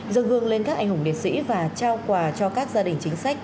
dâng hương lên các anh hùng liệt sĩ và trao quà cho các gia đình chính sách